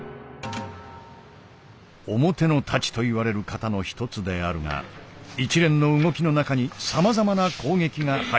「表之太刀」といわれる型の一つであるが一連の動きの中にさまざまな攻撃が入っている。